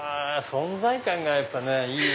存在感がやっぱいい。